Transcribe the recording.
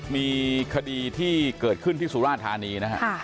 มีคดีที่เกิดขึ้นที่สุราธานีนะฮะ